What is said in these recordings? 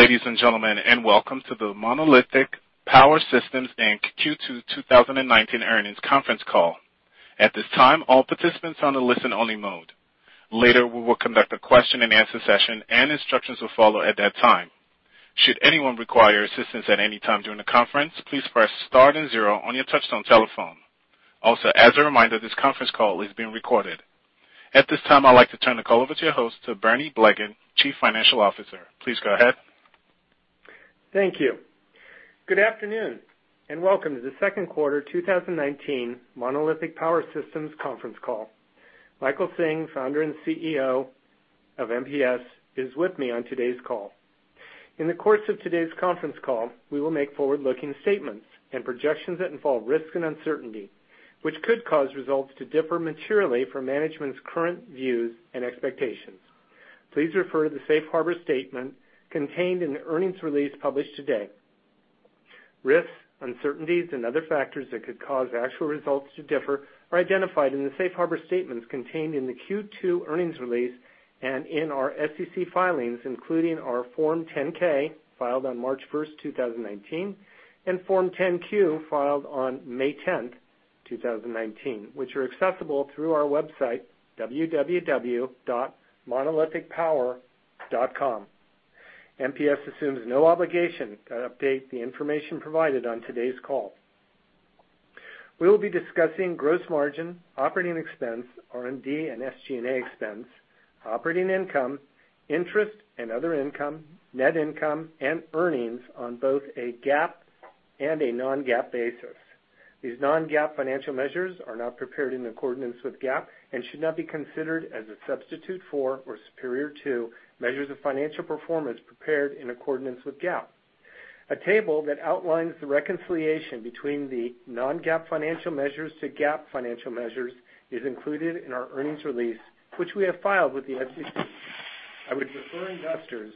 Good ladies and gentlemen, welcome to the Monolithic Power Systems Inc. Q2 2019 earnings conference call. At this time, all participants are on a listen-only mode. Later, we will conduct a question and answer session, instructions will follow at that time. Should anyone require assistance at any time during the conference, please press star and zero on your touch-tone telephone. Also, as a reminder, this conference call is being recorded. At this time, I'd like to turn the call over to your host, to Bernie Blegen, Chief Financial Officer. Please go ahead. Thank you. Good afternoon, and welcome to the second quarter 2019 Monolithic Power Systems conference call. Michael Hsing, founder and CEO of MPS, is with me on today's call. In the course of today's conference call, we will make forward-looking statements and projections that involve risk and uncertainty, which could cause results to differ materially from management's current views and expectations. Please refer to the safe harbor statement contained in the earnings release published today. Risks, uncertainties, and other factors that could cause actual results to differ are identified in the safe harbor statements contained in the Q2 earnings release and in our SEC filings, including our Form 10-K filed on March 1st, 2019, and Form 10-Q filed on May 10th, 2019, which are accessible through our website, www.monolithicpower.com. MPS assumes no obligation to update the information provided on today's call. We will be discussing gross margin, operating expense, R&D and SG&A expense, operating income, interest and other income, net income, and earnings on both a GAAP and a non-GAAP basis. These non-GAAP financial measures are not prepared in accordance with GAAP and should not be considered as a substitute for or superior to measures of financial performance prepared in accordance with GAAP. A table that outlines the reconciliation between the non-GAAP financial measures to GAAP financial measures is included in our earnings release, which we have filed with the SEC. I would refer investors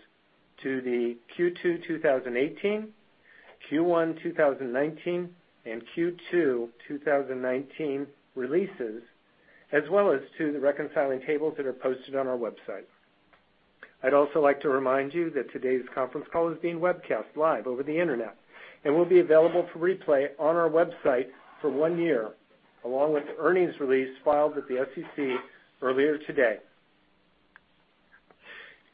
to the Q2 2018, Q1 2019, and Q2 2019 releases, as well as to the reconciling tables that are posted on our website. I'd also like to remind you that today's conference call is being webcast live over the internet and will be available for replay on our website for one year, along with the earnings release filed with the SEC earlier today.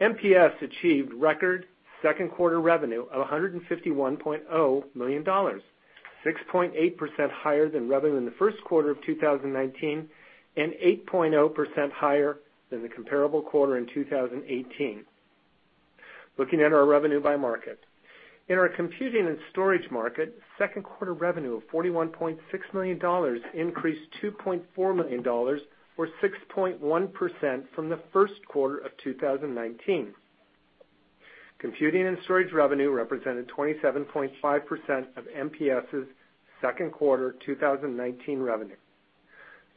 MPS achieved record second quarter revenue of $151.0 million, 6.8% higher than revenue in the first quarter of 2019, and 8.0% higher than the comparable quarter in 2018. Looking at our revenue by market. In our computing and storage market, second quarter revenue of $41.6 million increased $2.4 million, or 6.1%, from the first quarter of 2019. Computing and storage revenue represented 27.5% of MPS' second quarter 2019 revenue.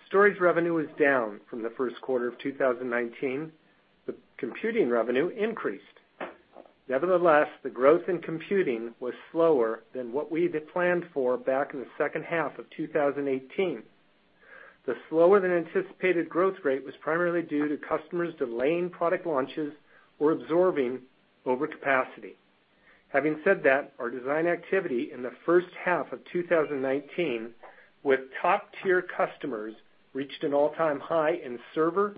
Storage revenue was down from the first quarter of 2019. Computing revenue increased. Nevertheless, the growth in computing was slower than what we had planned for back in the second half of 2018. The slower-than-anticipated growth rate was primarily due to customers delaying product launches or absorbing overcapacity. Having said that, our design activity in the first half of 2019 with top-tier customers reached an all-time high in server,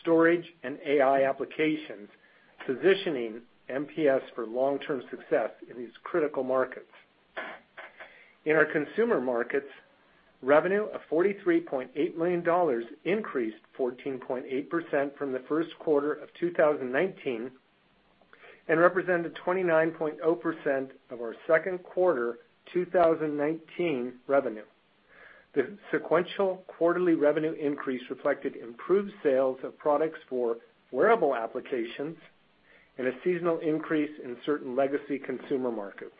storage, and AI applications, positioning MPS for long-term success in these critical markets. In our consumer markets, revenue of $43.8 million increased 14.8% from the first quarter of 2019 and represented 29.0% of our second quarter 2019 revenue. The sequential quarterly revenue increase reflected improved sales of products for wearable applications and a seasonal increase in certain legacy consumer markets.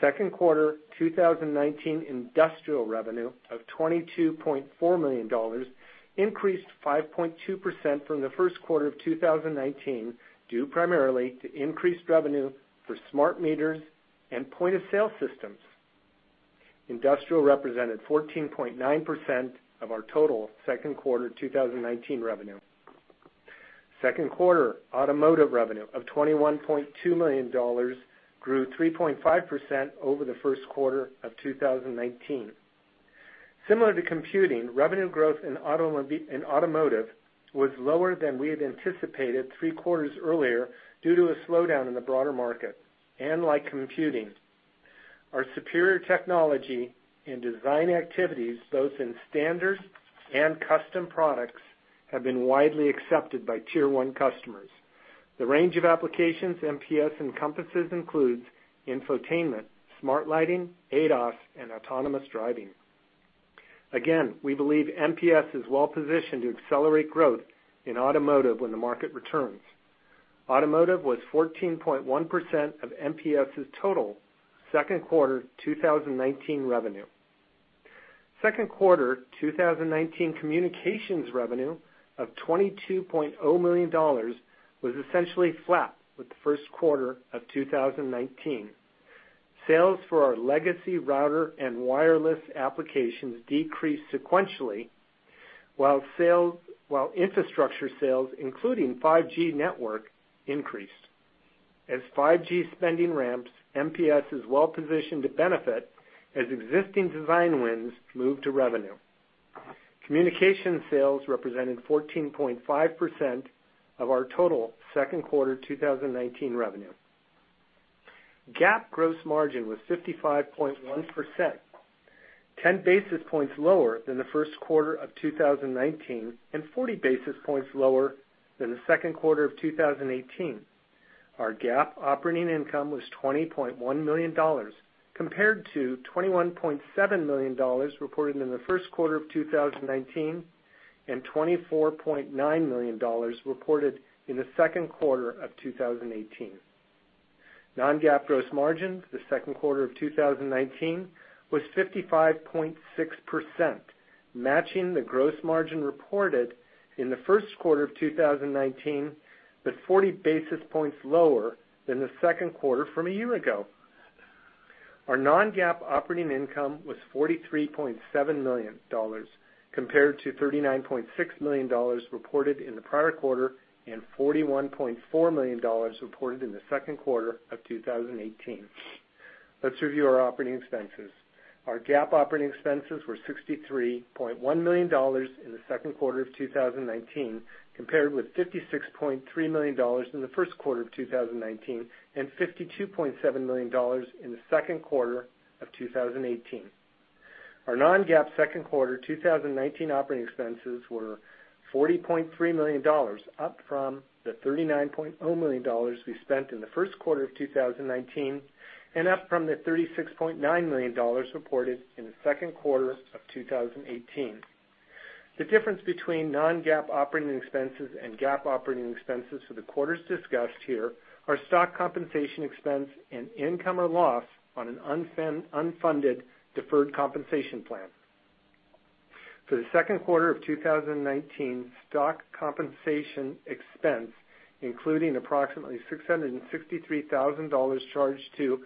Second quarter 2019 industrial revenue of $22.4 million increased 5.2% from the first quarter of 2019, due primarily to increased revenue for smart meters and point-of-sale systems. Industrial represented 14.9% of our total second quarter 2019 revenue. Second quarter automotive revenue of $21.2 million grew 3.5% over the first quarter of 2019. Similar to computing, revenue growth in automotive was lower than we had anticipated three quarters earlier due to a slowdown in the broader market. Like computing, our superior technology and design activities, both in standard and custom products, have been widely accepted by tier 1 customers. The range of applications MPS encompasses includes infotainment, smart lighting, ADAS, and autonomous driving. Again, we believe MPS is well positioned to accelerate growth in automotive when the market returns. Automotive was 14.1% of MPS's total second quarter 2019 revenue. Second quarter 2019 communications revenue of $22.0 million was essentially flat with the first quarter of 2019. Sales for our legacy router and wireless applications decreased sequentially, while infrastructure sales, including 5G network, increased. As 5G spending ramps, MPS is well-positioned to benefit as existing design wins move to revenue. Communication sales represented 14.5% of our total second quarter 2019 revenue. GAAP gross margin was 55.1%, 10 basis points lower than the first quarter of 2019, and 40 basis points lower than the second quarter of 2018. Our GAAP operating income was $20.1 million, compared to $21.7 million reported in the first quarter of 2019, and $24.9 million reported in the second quarter of 2018. Non-GAAP gross margin for the second quarter of 2019 was 55.6%, matching the gross margin reported in the first quarter of 2019, but 40 basis points lower than the second quarter from a year ago. Our non-GAAP operating income was $43.7 million compared to $39.6 million reported in the prior quarter and $41.4 million reported in the second quarter of 2018. Let's review our operating expenses. Our GAAP operating expenses were $63.1 million in the second quarter of 2019, compared with $56.3 million in the first quarter of 2019 and $52.7 million in the second quarter of 2018. Our non-GAAP second quarter 2019 operating expenses were $40.3 million, up from the $39.0 million we spent in the first quarter of 2019 and up from the $36.9 million reported in the second quarter of 2018. The difference between non-GAAP operating expenses and GAAP operating expenses for the quarters discussed here are stock compensation expense and income or loss on an unfunded deferred compensation plan. For the second quarter of 2019, stock compensation expense, including approximately $663,000 charged to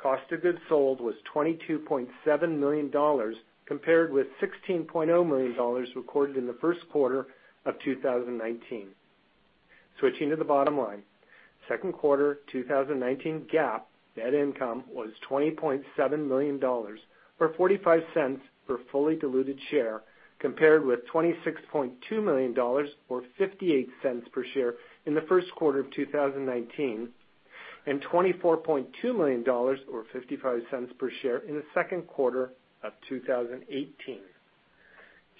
cost of goods sold, was $22.7 million, compared with $16.0 million recorded in the first quarter of 2019. Switching to the bottom line, second quarter 2019 GAAP net income was $20.7 million, or $0.45 per fully diluted share, compared with $26.2 million, or $0.58 per share in the first quarter of 2019, and $24.2 million or $0.55 per share in the second quarter of 2018.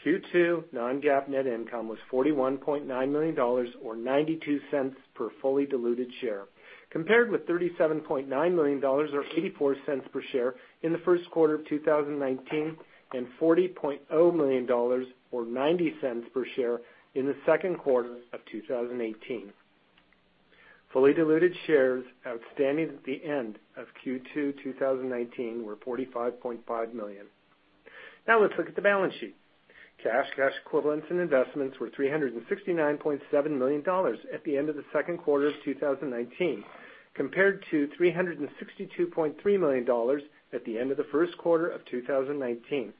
Q2 non-GAAP net income was $41.9 million or $0.92 per fully diluted share, compared with $37.9 million or $0.84 per share in the first quarter of 2019, and $40.0 million or $0.90 per share in the second quarter of 2018. Fully diluted shares outstanding at the end of Q2 2019 were 45.5 million. Let's look at the balance sheet. Cash, cash equivalents, and investments were $369.7 million at the end of the second quarter of 2019, compared to $362.3 million at the end of the first quarter of 2019.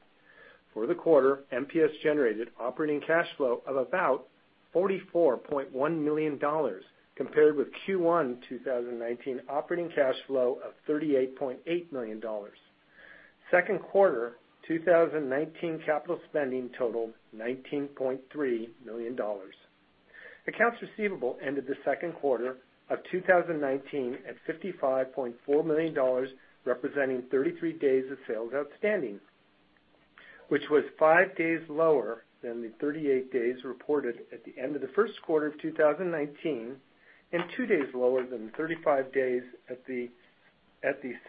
For the quarter, MPS generated operating cash flow of about $44.1 million, compared with Q1 2019 operating cash flow of $38.8 million. Second quarter 2019 capital spending totaled $19.3 million. Accounts receivable ended the second quarter of 2019 at $55.4 million, representing 33 days of sales outstanding, which was five days lower than the 38 days reported at the end of the first quarter of 2019 and two days lower than the 35 days at the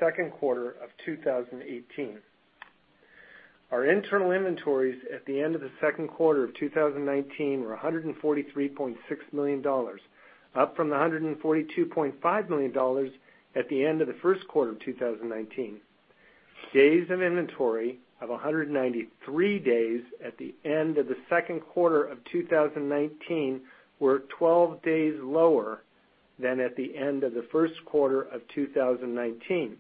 second quarter of 2018. Our internal inventories at the end of the second quarter of 2019 were $143.6 million, up from the $142.5 million at the end of the first quarter of 2019. Days of inventory of 193 days at the end of the second quarter of 2019 were 12 days lower than at the end of the first quarter of 2019.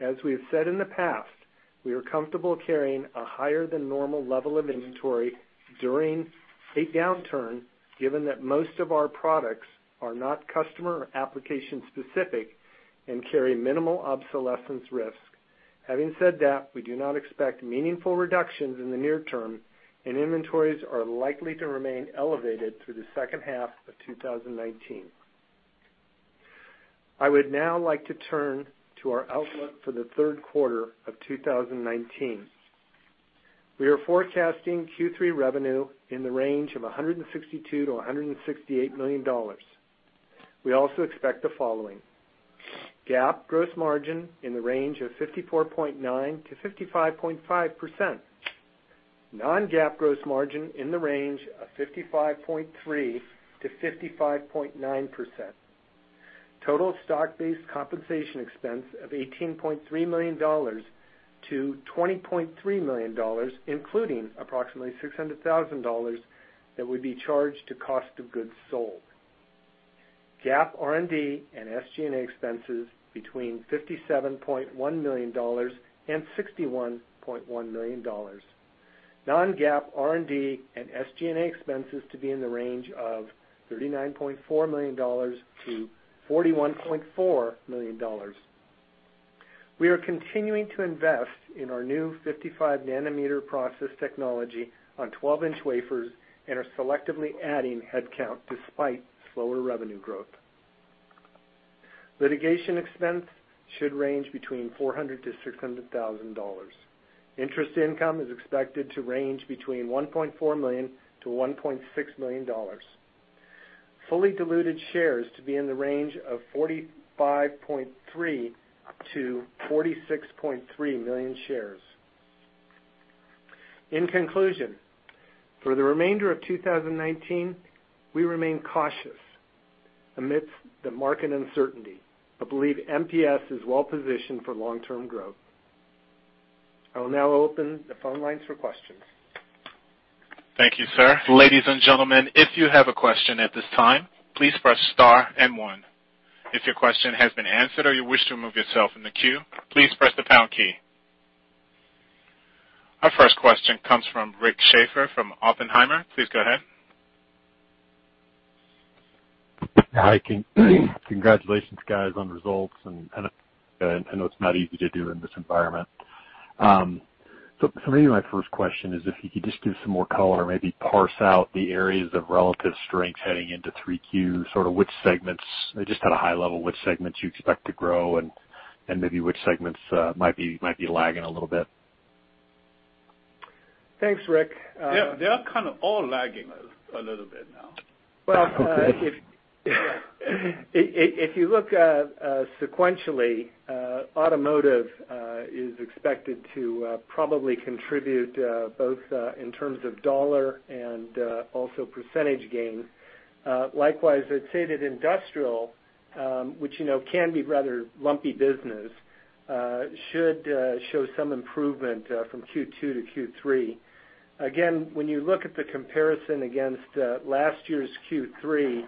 As we have said in the past, we are comfortable carrying a higher than normal level of inventory during a downturn, given that most of our products are not customer or application-specific and carry minimal obsolescence risk. Having said that, we do not expect meaningful reductions in the near term, and inventories are likely to remain elevated through the second half of 2019. I would now like to turn to our outlook for the third quarter of 2019. We are forecasting Q3 revenue in the range of $162 million-$168 million. We also expect the following. GAAP gross margin in the range of 54.9%-55.5%. Non-GAAP gross margin in the range of 55.3%-55.9%. Total stock-based compensation expense of $18.3 million-$20.3 million, including approximately $600,000 that would be charged to cost of goods sold. GAAP R&D and SG&A expenses between $57.1 million and $61.1 million. Non-GAAP R&D and SG&A expenses to be in the range of $39.4 million-$41.4 million. We are continuing to invest in our new 55 nanometer process technology on 12-inch wafers and are selectively adding headcount despite slower revenue growth. Litigation expense should range between $400,000-$600,000. Interest income is expected to range between $1.4 million-$1.6 million. Fully diluted shares to be in the range of 45.3 million-46.3 million shares. In conclusion, for the remainder of 2019, we remain cautious amidst the market uncertainty. I believe MPS is well-positioned for long-term growth. I will now open the phone lines for questions. Thank you, sir. Ladies and gentlemen, if you have a question at this time, please press star and one. If your question has been answered or you wish to remove yourself from the queue, please press the pound key. Our first question comes from Rick Schafer from Oppenheimer. Please go ahead. Hi. Congratulations, guys, on the results, and I know it's not easy to do in this environment. Maybe my first question is if you could just give some more color, maybe parse out the areas of relative strengths heading into three Qs, sort of which segments, just at a high level, which segments you expect to grow and maybe which segments might be lagging a little bit. Thanks, Rick. They are kind of all lagging a little bit now. Okay. If you look sequentially, automotive is expected to probably contribute both in terms of dollar and also percentage gains. Likewise, I'd say that industrial, which can be rather lumpy business, should show some improvement from Q2 to Q3. Again, when you look at the comparison against last year's Q3,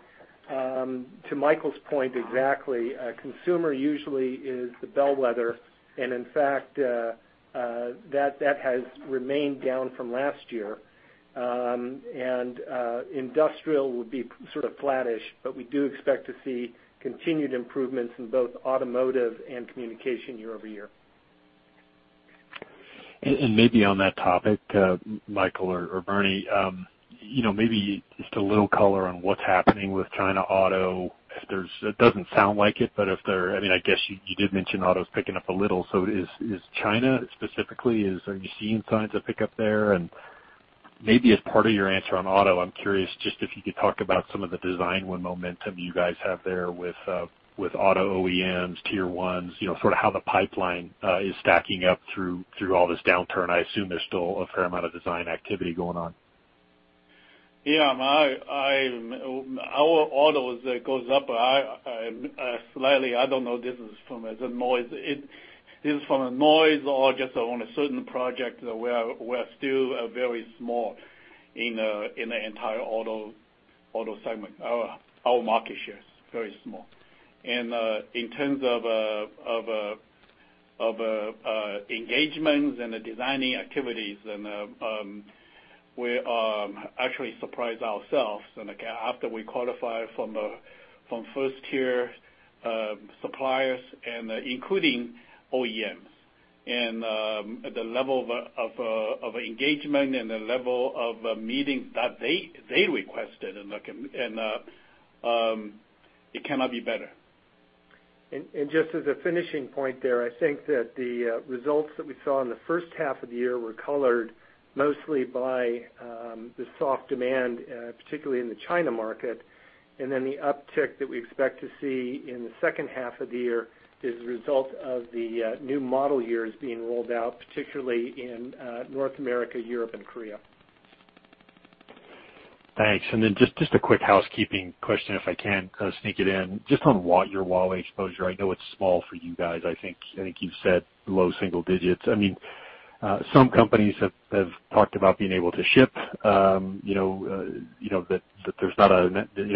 to Michael's point exactly, consumer usually is the bellwether, and in fact, that has remained down from last year. Industrial would be sort of flattish, but we do expect to see continued improvements in both automotive and communication year-over-year. Maybe on that topic, Michael Hsing or Bernie Blegen, maybe just a little color on what's happening with China auto. It doesn't sound like it, but I guess you did mention auto's picking up a little. Is China specifically, are you seeing signs of pickup there? Maybe as part of your answer on auto, I'm curious just if you could talk about some of the design win momentum you guys have there with auto OEMs, Tier 1s, sort of how the pipeline is stacking up through all this downturn. I assume there's still a fair amount of design activity going on. Yeah. Our autos goes up slightly. I don't know if this is from the noise. It is from a noise or just on a certain project. We are still very small in the entire auto segment. Our market share is very small. In terms of engagements and the designing activities, we are actually surprised ourselves after we qualify from first-tier suppliers and including OEMs, the level of engagement and the level of meetings that they requested, it cannot be better. Just as a finishing point there, I think that the results that we saw in the first half of the year were colored mostly by the soft demand, particularly in the China market. The uptick that we expect to see in the second half of the year is a result of the new model years being rolled out, particularly in North America, Europe, and Korea. Thanks. Then just a quick housekeeping question, if I can sneak it in. Just on your Huawei exposure, I know it's small for you guys. I think you've said low single digits. Some companies have talked about being able to ship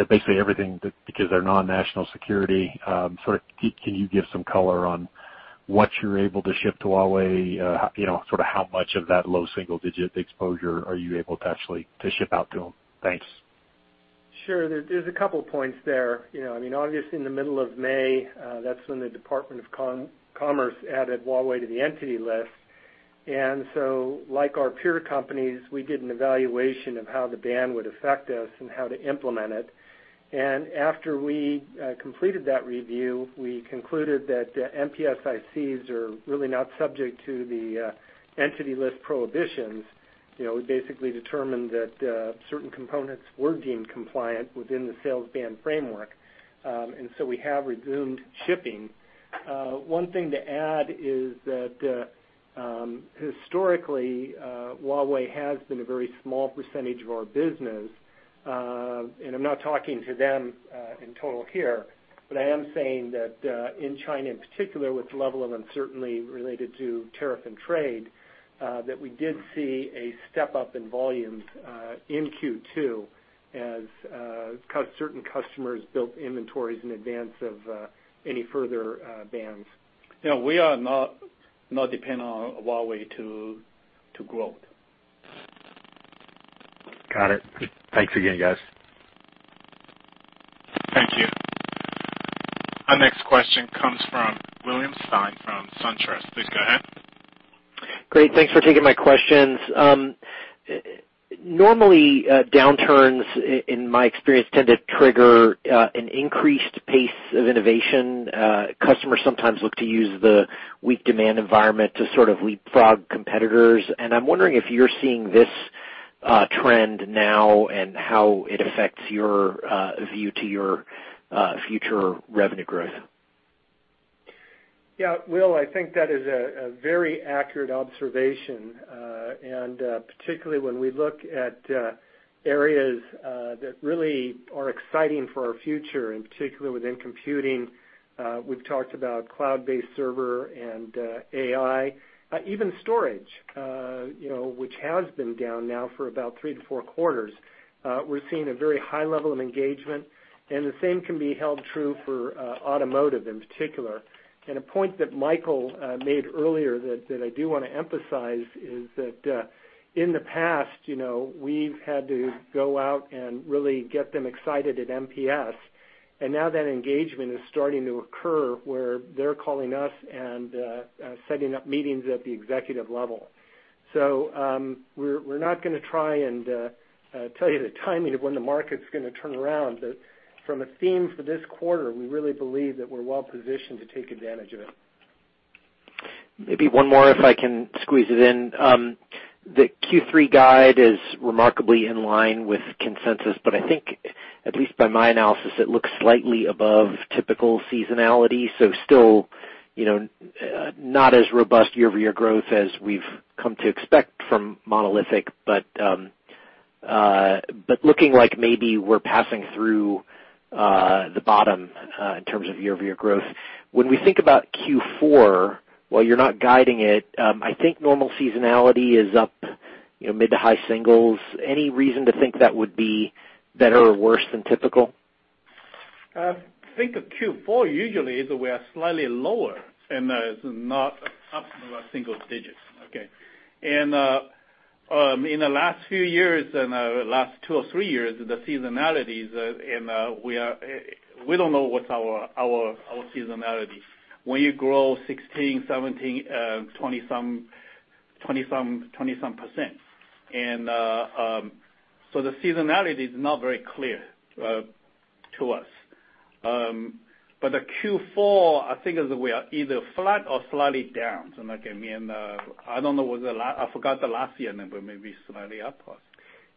basically everything, because they're non-national security. Can you give some color on what you're able to ship to Huawei? Sort of how much of that low single-digit exposure are you able to actually ship out to them? Thanks. Sure. There's a couple points there. Obviously, in the middle of May, that's when the Department of Commerce added Huawei to the Entity List. Like our peer companies, we did an evaluation of how the ban would affect us and how to implement it. After we completed that review, we concluded that MPS ICs are really not subject to the Entity List prohibitions. We basically determined that certain components were deemed compliant within the sales ban framework. We have resumed shipping. One thing to add is that historically, Huawei has been a very small percentage of our business. I'm not talking to them in total here. I am saying that in China in particular, with the level of uncertainty related to tariff and trade, that we did see a step up in volumes in Q2 as certain customers built inventories in advance of any further bans. Yeah, we are not dependent on Huawei to grow. Got it. Thanks again, guys. Thank you. Our next question comes from William Stein from SunTrust. Please go ahead. Great. Thanks for taking my questions. Normally, downturns, in my experience, tend to trigger an increased pace of innovation. Customers sometimes look to use the weak demand environment to sort of leapfrog competitors, and I'm wondering if you're seeing this trend now and how it affects your view to your future revenue growth. Will, I think that is a very accurate observation, particularly when we look at areas that really are exciting for our future, in particular within computing. We've talked about cloud-based server and AI, even storage, which has been down now for about three to four quarters. We're seeing a very high level of engagement, the same can be held true for automotive in particular. A point that Michael made earlier that I do want to emphasize is that in the past, we've had to go out and really get them excited at MPS, now that engagement is starting to occur where they're calling us and setting up meetings at the executive level. We're not going to try and tell you the timing of when the market's going to turn around. From a theme for this quarter, we really believe that we're well positioned to take advantage of it. Maybe one more, if I can squeeze it in. The Q3 guide is remarkably in line with consensus, but I think, at least by my analysis, it looks slightly above typical seasonality. Still, not as robust year-over-year growth as we've come to expect from Monolithic, but looking like maybe we're passing through the bottom in terms of year-over-year growth. When we think about Q4, while you're not guiding it, I think normal seasonality is up mid to high singles. Any reason to think that would be better or worse than typical? I think Q4 usually is where slightly lower, and it's not up single digits, okay? In the last few years, in the last two or three years, the seasonality, we don't know what's our seasonality. When you grow 16%, 17%, 20 some %. The seasonality is not very clear to us. The Q4, I think, is we are either flat or slightly down. I don't know, I forgot the last year number, maybe slightly upward.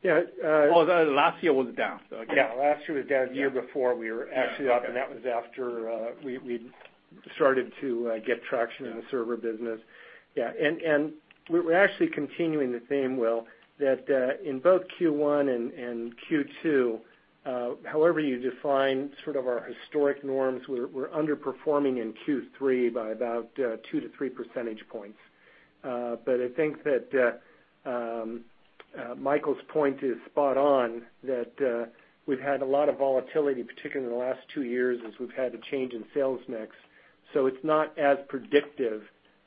Yeah. Well, last year was down. Okay. Yeah. Last year was down. Year before, we were actually up, and that was after we started to get traction in the server business. Yeah. We're actually continuing the theme, Will, that in both Q1 and Q2, however you define sort of our historic norms, we're underperforming in Q3 by about two to three percentage points. I think that Michael's point is spot on, that we've had a lot of volatility, particularly in the last two years, as we've had a change in sales mix. It's not as predictive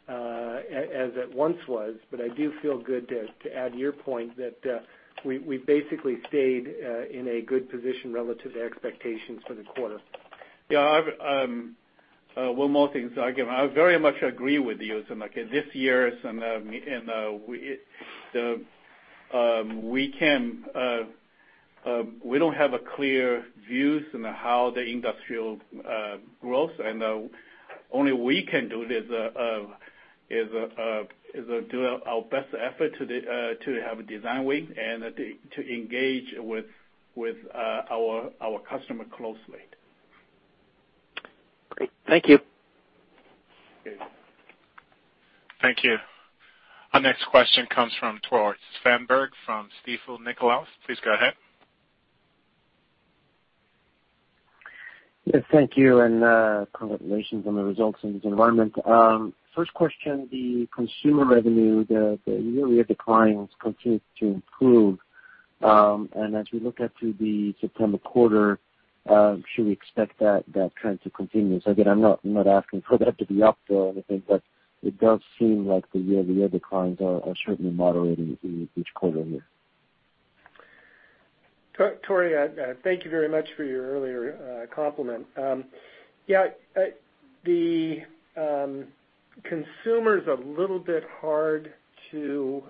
as it once was, but I do feel good to add to your point that we basically stayed in a good position relative to expectations for the quarter. Yeah. One more thing. Again, I very much agree with you. Like this year, we don't have a clear view on how the industrial growth, and only we can do is do our best effort to have a design win and to engage with our customer closely. Great. Thank you. Okay. Thank you. Our next question comes from Tore Svanberg from Stifel Nicolaus. Please go ahead. Yes. Thank you. Congratulations on the results in this environment. First question, the consumer revenue, the year-over-year declines continued to improve. As we look ahead to the September quarter, should we expect that trend to continue? Again, I'm not asking for that to be up or anything, but it does seem like the year-over-year declines are certainly moderating each quarter here. Tore, thank you very much for your earlier compliment. Yeah. The consumer's a little bit hard to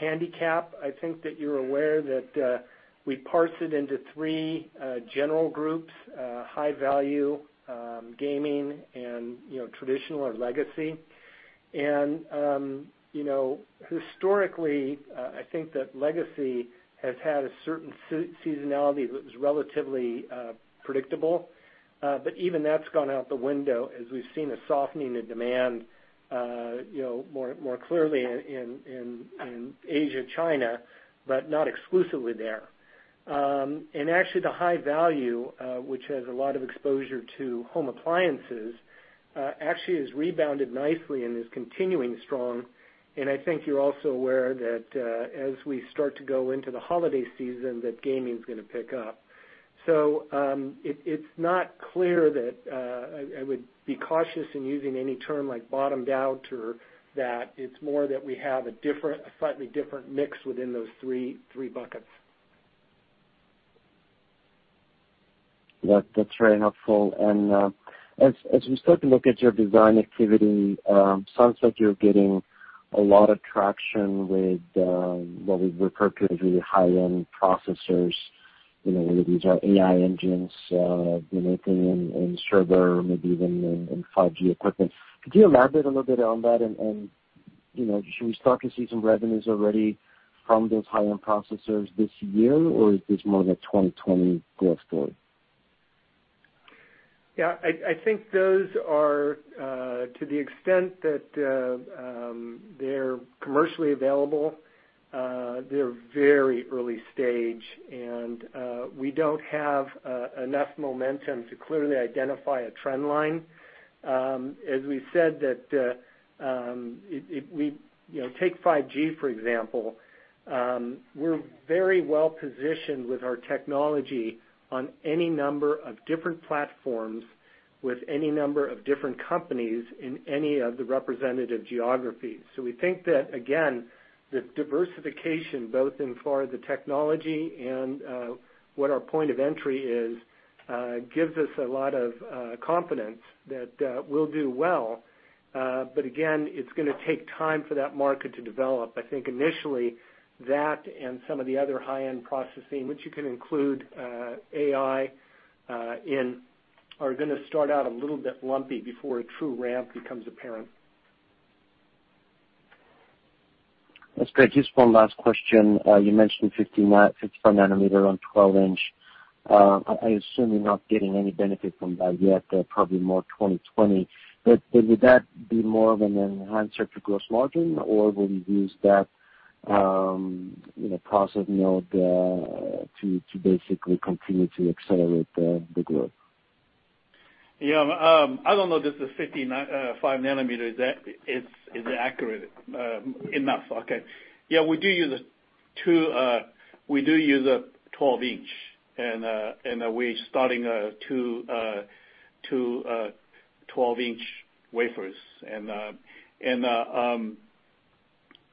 handicap. I think that you're aware that we parse it into three general groups, high value, gaming, and traditional or legacy. Historically, I think that legacy has had a certain seasonality that was relatively predictable. Even that's gone out the window as we've seen a softening of demand more clearly in Asia, China, but not exclusively there. Actually the high value, which has a lot of exposure to home appliances, actually has rebounded nicely and is continuing strong. I think you're also aware that as we start to go into the holiday season, that gaming is going to pick up. It's not clear that I would be cautious in using any term like bottomed out, or that it's more that we have a slightly different mix within those three buckets. That's very helpful. As we start to look at your design activity, it sounds like you're getting a lot of traction with what we've referred to as really high-end processors, whether these are AI engines, anything in server, maybe even in 5G equipment. Could you elaborate a little bit on that? Should we start to see some revenues already from those high-end processors this year, or is this more of a 2020 growth story? Yeah, I think those are to the extent that they're commercially available, they're very early stage, and we don't have enough momentum to clearly identify a trend line. As we said take 5G, for example. We're very well positioned with our technology on any number of different platforms, with any number of different companies in any of the representative geographies. We think that, again, the diversification, both in far the technology and what our point of entry is, gives us a lot of confidence that we'll do well. Again, it's going to take time for that market to develop. I think initially that and some of the other high-end processing, which you can include AI in, are going to start out a little bit lumpy before a true ramp becomes apparent. That's great. Just one last question. You mentioned 55 nanometer on 12-inch. I assume you're not getting any benefit from that yet, probably more 2020. Would that be more of an enhancer to gross margin, or will you use that process node to basically continue to accelerate the growth? Yeah. I don't know if this is 55 nanometer, is accurate enough. Okay. Yeah, we do use 12-inch, and we're starting two 12-inch wafers.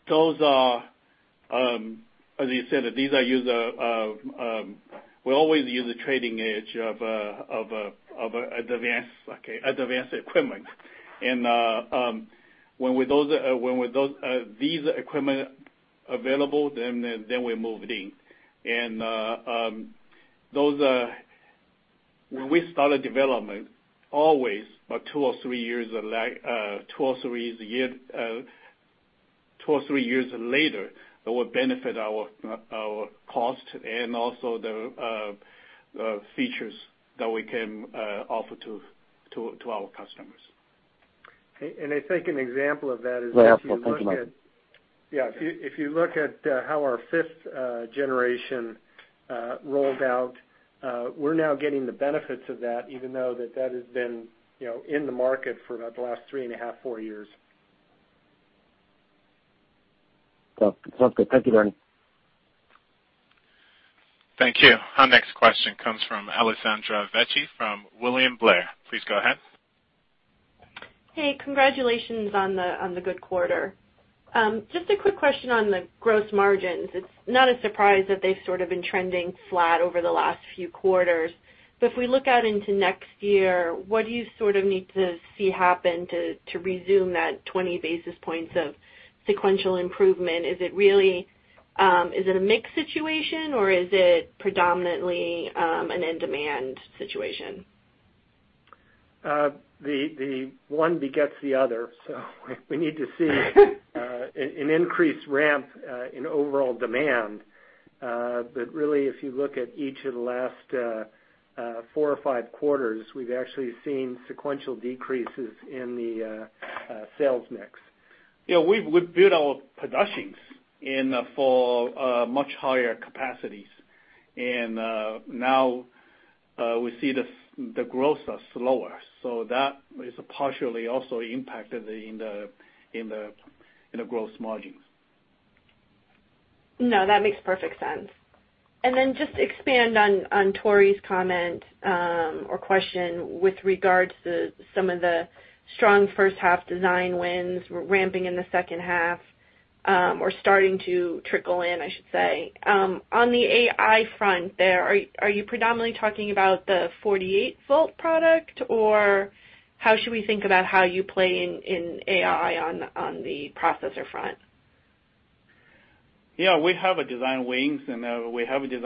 Those are, as you said, we always use a leading edge of advanced equipment. When this equipment is available, we move in. When we start a development, always about two or three years later, that would benefit our cost and also the features that we can offer to our customers. I think an example of that is if you look at. Yeah, of course. Thank you, Michael. Yeah. If you look at how our fifth generation rolled out, we're now getting the benefits of that, even though that has been in the market for about the last three and a half, four years. Sounds good. Thank you, Bernie. Thank you. Our next question comes from Alessandra Vecchi, from William Blair. Please go ahead. Hey, congratulations on the good quarter. Just a quick question on the gross margins. It's not a surprise that they've sort of been trending flat over the last few quarters. If we look out into next year, what do you sort of need to see happen to resume that 20 basis points of sequential improvement? Is it a mix situation or is it predominantly an end demand situation? The one begets the other. We need to see an increased ramp in overall demand. Really, if you look at each of the last four or five quarters, we've actually seen sequential decreases in the sales mix. Yeah. We build our productions in for much higher capacities, and now we see the growth are slower. That is partially also impacted in the gross margins. No, that makes perfect sense. Then just expand on Tore's comment or question with regards to some of the strong first half design wins ramping in the second half, or starting to trickle in, I should say. On the AI front there, are you predominantly talking about the 48 V product, or how should we think about how you play in AI on the processor front? Yeah, we have a design wins. The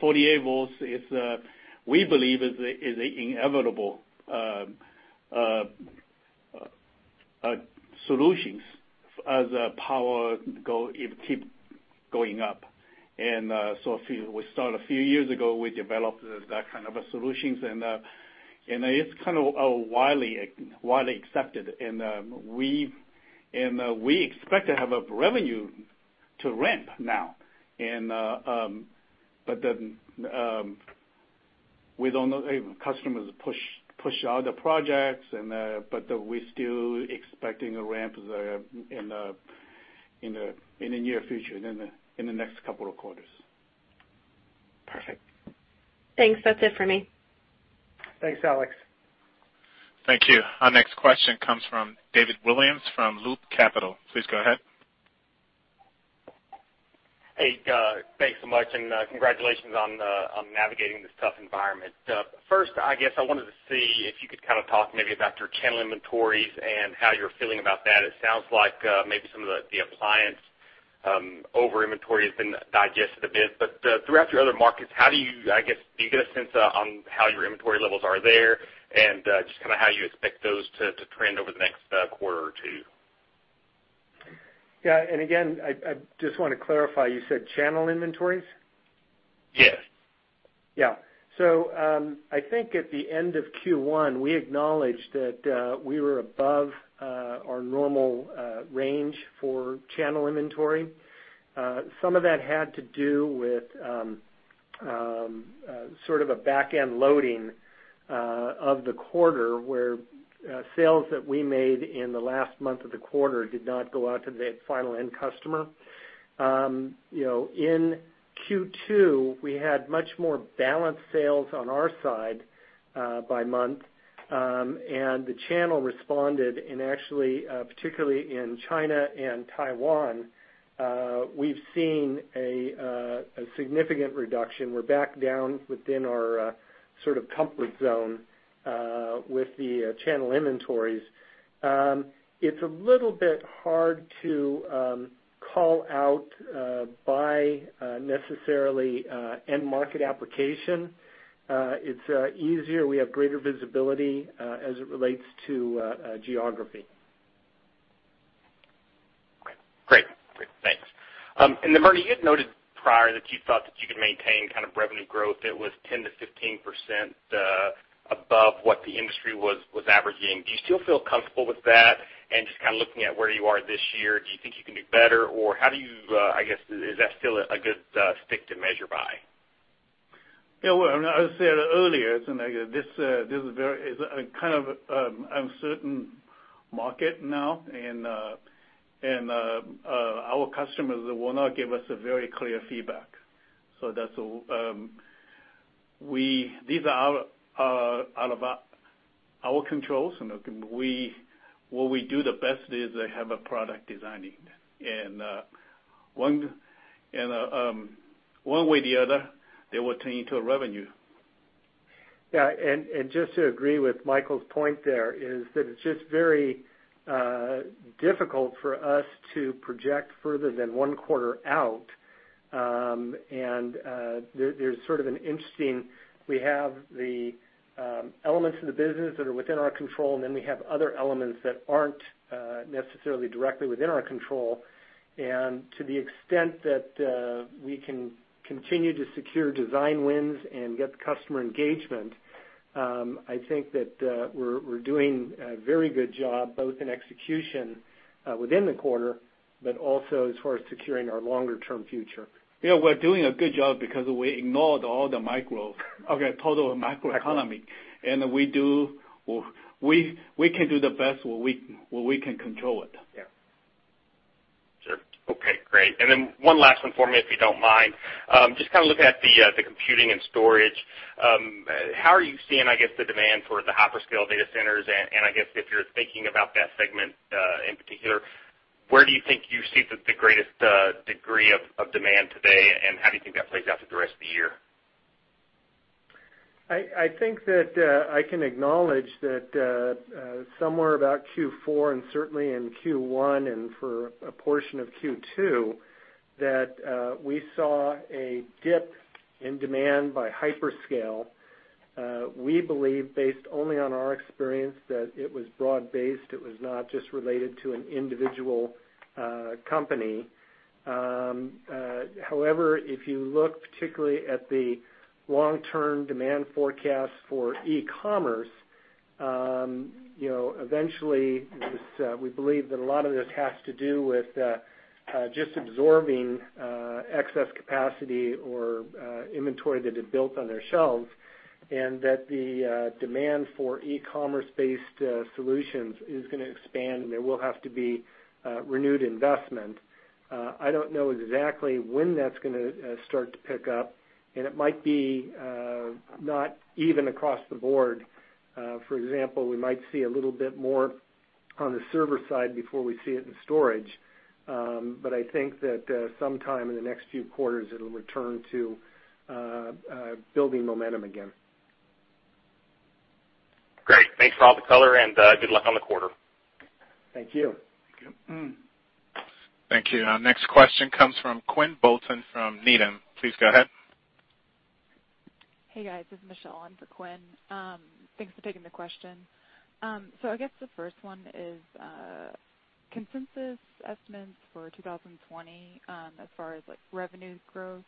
48 V, we believe is inevitable solution as power keeps going up. We started a few years ago, we developed that kind of a solution. It's kind of widely accepted. We expect to have a revenue to ramp now. Customers push out the projects, we're still expecting a ramp in the near future, in the next couple of quarters. Perfect. Thanks. That's it for me. Thanks, Alex. Thank you. Our next question comes from David Williams from Loop Capital. Please go ahead. Hey, thanks so much. Congratulations on navigating this tough environment. First, I guess I wanted to see if you could kind of talk maybe about your channel inventories and how you're feeling about that. It sounds like maybe some of the appliance over-inventory has been digested a bit. Throughout your other markets, I guess, do you get a sense on how your inventory levels are there and just how you expect those to trend over the next quarter or two? Yeah. Again, I just want to clarify, you said channel inventories? Yes. Yeah. I think at the end of Q1, we acknowledged that we were above our normal range for channel inventory. Some of that had to do with sort of a back-end loading of the quarter, where sales that we made in the last month of the quarter did not go out to the final end customer. In Q2, we had much more balanced sales on our side by month. The channel responded. Actually, particularly in China and Taiwan, we've seen a significant reduction. We're back down within our sort of comfort zone with the channel inventories. It's a little bit hard to call out by necessarily end market application. It's easier, we have greater visibility as it relates to geography. Great. Thanks. Then, Bernie, you had noted prior that you thought that you could maintain kind of revenue growth that was 10%-15% above what the industry was averaging. Do you still feel comfortable with that? Just kind of looking at where you are this year, do you think you can do better, or how do you, I guess, is that still a good stick to measure by? Yeah. Well, as I said earlier, this is a kind of uncertain market now, and our customers will not give us a very clear feedback. These are out of our controls, and what we do the best is have a product designing. One way or the other, they will turn into a revenue. Yeah. Just to agree with Michael's point there, it's just very difficult for us to project further than one quarter out. There's sort of an interesting, we have the elements of the business that are within our control. Then we have other elements that aren't necessarily directly within our control. To the extent that we can continue to secure design wins and get customer engagement, I think that we're doing a very good job, both in execution within the quarter, but also as far as securing our longer-term future. Yeah, we're doing a good job because we ignored all the macro economy, and we can do the best what we can control it. Yeah. Sure. Okay, great. One last one for me, if you don't mind. Just kind of looking at the computing and storage, how are you seeing, I guess, the demand for the hyperscale data centers? I guess if you're thinking about that segment, in particular, where do you think you see the greatest degree of demand today, and how do you think that plays out through the rest of the year? I think that I can acknowledge that somewhere about Q4 and certainly in Q1, and for a portion of Q2, that we saw a dip in demand by hyperscale. We believe, based only on our experience, that it was broad-based, it was not just related to an individual company. However, if you look particularly at the long-term demand forecast for e-commerce, eventually, we believe that a lot of this has to do with just absorbing excess capacity or inventory that they built on their shelves, and that the demand for e-commerce-based solutions is going to expand, and there will have to be renewed investment. I don't know exactly when that's going to start to pick up, and it might be not even across the board. For example, we might see a little bit more on the server side before we see it in storage. I think that sometime in the next few quarters, it'll return to building momentum again. Great. Thanks for all the color. Good luck on the quarter. Thank you. Thank you. Thank you. Our next question comes from Quinn Bolton from Needham. Please go ahead. Hey, guys. This is Michelle in for Quinn. Thanks for taking the question. I guess the first one is consensus estimates for 2020, as far as like revenue growth.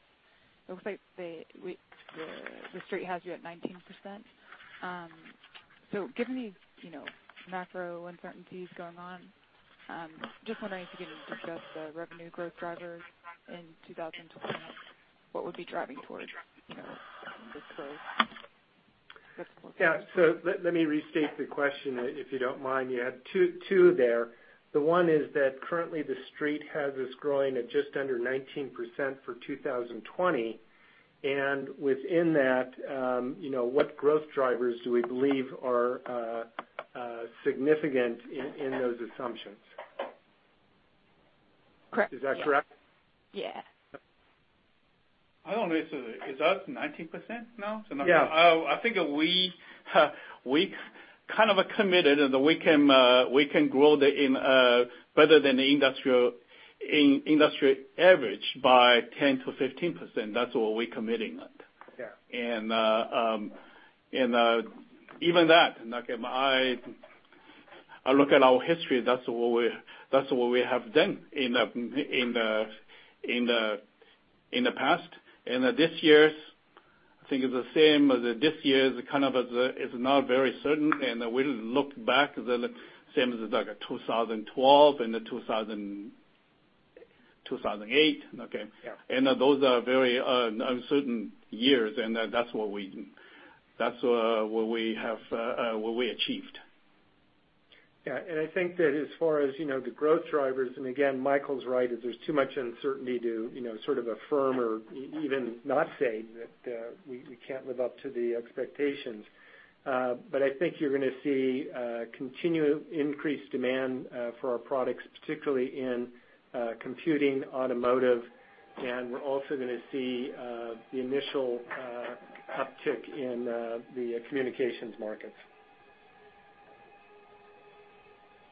It looks like the street has you at 19%. Given the macro uncertainties going on, just wondering if you can discuss the revenue growth drivers in 2020, what would be driving towards this growth? Yeah. Let me restate the question, if you don't mind. You had two there. The one is that currently the street has us growing at just under 19% for 2020, within that, what growth drivers do we believe are significant in those assumptions? Correct. Is that correct? Yeah. I don't know. Is that 19% now? Yeah. I think we kind of are committed and we can grow better than the industry average by 10%-15%. That's what we're committing at. Yeah. Even that, I look at our history, that's what we have done in the past. This year, I think it's the same. This year is not very certain, and we look back the same as 2012 and 2008. Yeah. Those are very uncertain years, and that's what we achieved. Yeah. I think that as far as the growth drivers, and again, Michael's right, is there's too much uncertainty to sort of affirm or even not say that we can't live up to the expectations. I think you're going to see continued increased demand for our products, particularly in computing, automotive, and we're also going to see the initial uptick in the communications markets.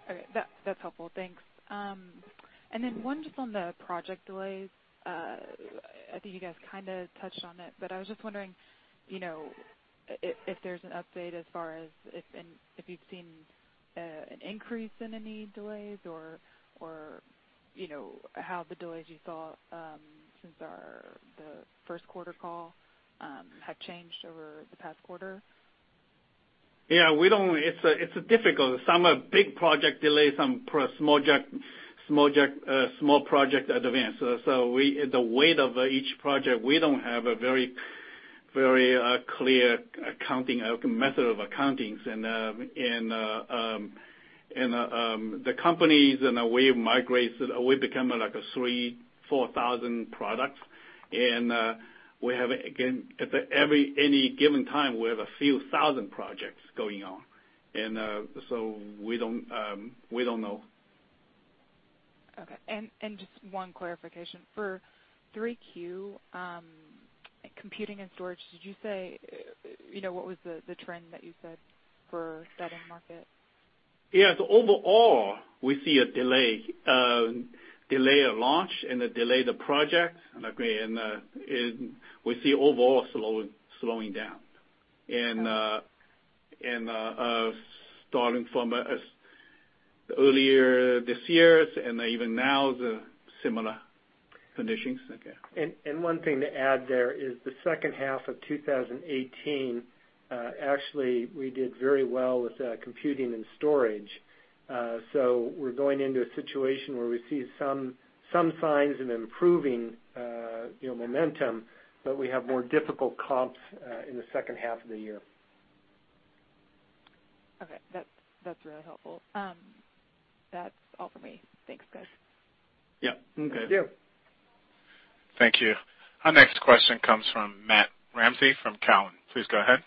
All right. That's helpful. Thanks. One just on the project delays. I think you guys kind of touched on it, but I was just wondering if there's an update as far as if you've seen an increase in any delays or how the delays you saw since the first quarter call have changed over the past quarter? Yeah. It's difficult. Some are big project delays, some small project advance. The weight of each project, we don't have a very clear method of accounting. The companies, and the way it migrates, we become like 3,000, 4,000 products. Again, at any given time, we have a few thousand projects going on. We don't know. Okay. Just one clarification. For 3Q, computing and storage, what was the trend that you said for that end market? Yeah. Overall, we see a delay of launch and a delay of the project, and we see overall slowing down. Starting from earlier this year, and even now, the similar conditions. One thing to add there is the second half of 2018, actually, we did very well with computing and storage. We're going into a situation where we see some signs of improving momentum, but we have more difficult comps in the second half of the year. Okay. That's really helpful. That's all for me. Thanks, guys. Yeah. Okay. Thank you. Thank you. Our next question comes from Matt Ramsay from Cowen. Please go ahead.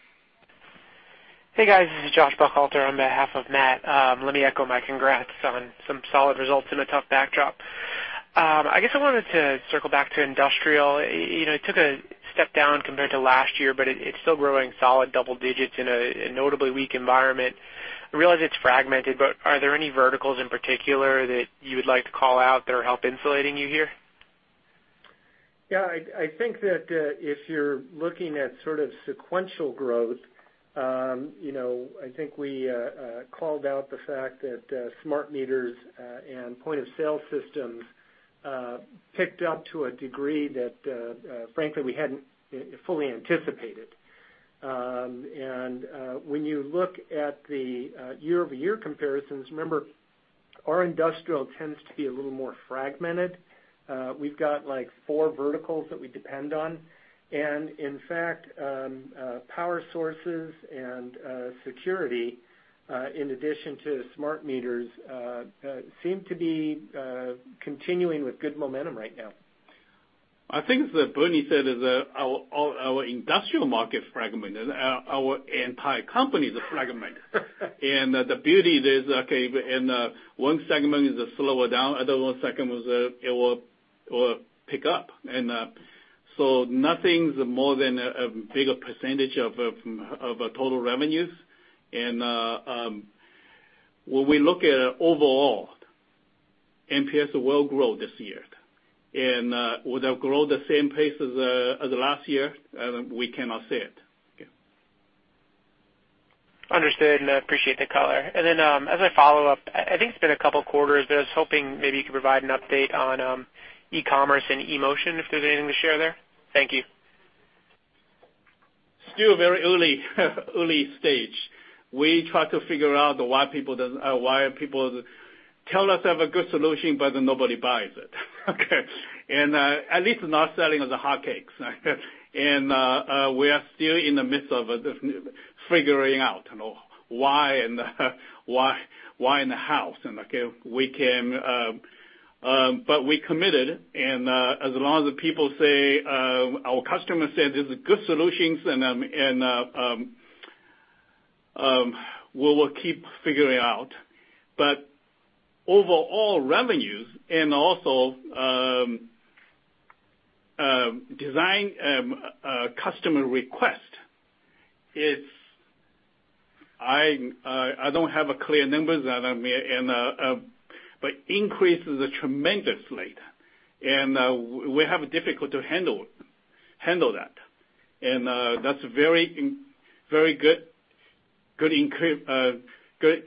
Hey, guys. This is Josh Buchalter on behalf of Matt. Let me echo my congrats on some solid results in a tough backdrop. I guess I wanted to circle back to industrial. It took a step down compared to last year, but it's still growing solid double digits in a notably weak environment. I realize it's fragmented, but are there any verticals in particular that you would like to call out that are help insulating you here? Yeah, I think that if you're looking at sort of sequential growth, I think we called out the fact that smart meters and point-of-sale systems picked up to a degree that, frankly, we hadn't fully anticipated. When you look at the year-over-year comparisons, remember, our industrial tends to be a little more fragmented. We've got four verticals that we depend on. In fact, power sources and security, in addition to smart meters, seem to be continuing with good momentum right now. I think that Bernie said is our industrial market is fragmented, our entire company is fragmented. The beauty is, okay, one segment is slower down, other one segment it will pick up. Nothing's more than a bigger percentage of our total revenues. When we look at it overall, MPS will grow this year. Will they grow the same pace as the last year? We cannot say it. Understood and appreciate the color. As I follow up, I think it's been a couple of quarters, but I was hoping maybe you could provide an update on e-commerce and eMotion, if there's anything to share there. Thank you. Still very early stage. We try to figure out why people tell us they have a good solution, but then nobody buys it. Okay. At least not selling as the hotcakes. We are still in the midst of figuring out why in the house. We committed, and as long as our customers say this is good solutions, we will keep figuring out. Overall revenues and also design customer request, I don't have clear numbers, but increases are tremendous late. We have difficult to handle that. That's very good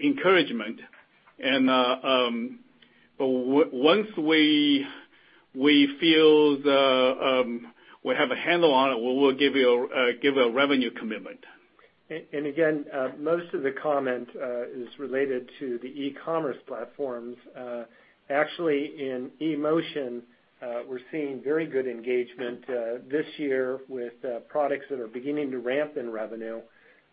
encouragement. Once we feel we have a handle on it, we'll give you a revenue commitment. Again, most of the comment is related to the e-commerce platforms. Actually, in eMotion, we're seeing very good engagement this year with products that are beginning to ramp in revenue.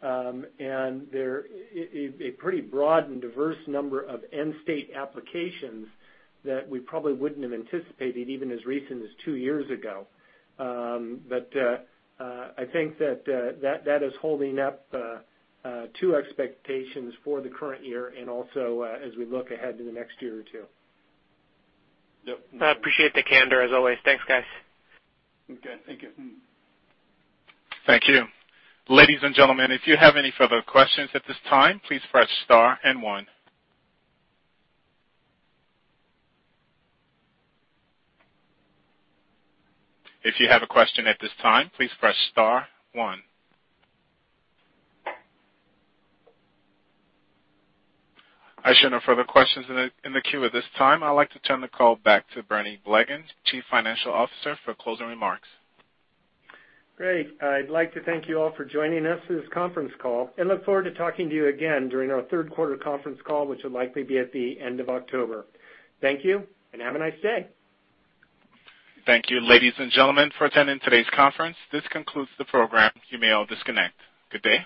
There is a pretty broad and diverse number of end state applications that we probably wouldn't have anticipated even as recent as two years ago. I think that is holding up to expectations for the current year and also as we look ahead to the next year or two. Yep. I appreciate the candor as always. Thanks, guys. Okay, thank you. Thank you. Ladies and gentlemen, if you have any further questions at this time, please press star and one. If you have a question at this time, please press star one. I show no further questions in the queue at this time. I'd like to turn the call back to Bernie Blegen, Chief Financial Officer, for closing remarks. Great. I'd like to thank you all for joining us for this conference call, and look forward to talking to you again during our third quarter conference call, which will likely be at the end of October. Thank you, and have a nice day. Thank you, ladies and gentlemen, for attending today's conference. This concludes the program. You may all disconnect. Good day.